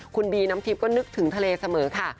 คุณบีน้ำทิพย์ก็นึกถึงทะเลเสมอค่ะ